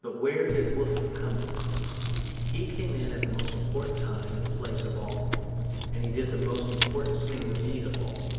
But where did Wolfe come in? He came in at the most important time and place of all, and he did the most important single deed of all.